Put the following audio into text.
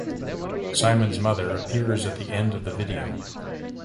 Simon's mother appears at the end of the video.